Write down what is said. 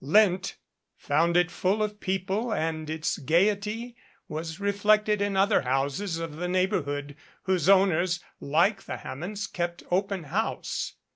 Lent found it full of people and its gayety was reflected in other houses of the neighborhood whose owners, like the Ham monds, kept open house.